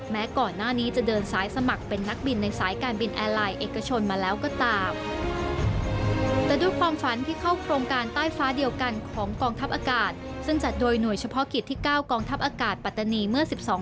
แม้ก่อนหน้านี้จะเดินสายสมัครเป็นนักบินในสายการบินแอร์ไลน์เอกชนมาแล้วก็ตาม